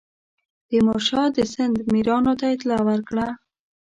تیمورشاه د سند میرانو ته اطلاع ورکړه.